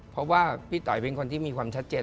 เพราะว่าพี่ต่อยเป็นคนที่มีความชัดเจน